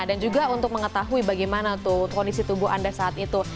juga untuk mengetahui bagaimana kondisi tubuh anda saat itu